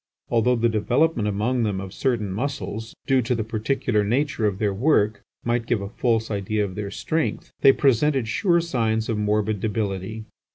Although the development among them of certain muscles, due to the particular nature of their work, might give a false idea of their strength, they presented sure signs of morbid debility.